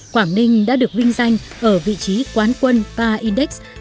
quảng ninh đã được vinh danh ở vị trí quán quân pa index hai nghìn một mươi bảy toàn quốc